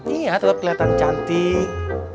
iya tetep keliatan cantik